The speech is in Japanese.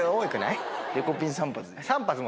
デコピン３発。